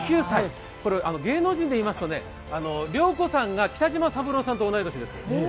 芸能人で言いますと、良子さんが北島三郎さんと同い年です。